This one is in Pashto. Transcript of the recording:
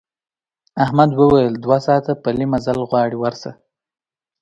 احمد وویل دوه ساعته پلی مزل غواړي ورشه.